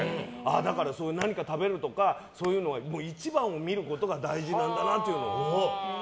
だから何か食べるとかそういうのは１番を見ることが大事なんだなというのが。